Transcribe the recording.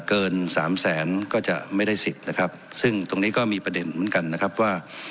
เกินสามแสนก็จะไม่ได้สิทธิ์นะครับซึ่งตรงนี้ก็มีประเด็นเหมือนกันนะครับว่า